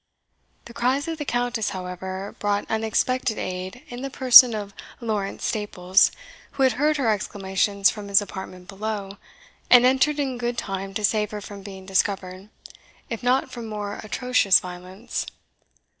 The cries of the Countess, however, brought unexpected aid in the person of Lawrence Staples, who had heard her exclamations from his apartment below, and entered in good time to save her from being discovered, if not from more atrocious violence.